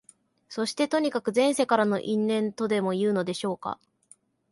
そして、とにかく前世からの因縁とでもいうのでしょうか、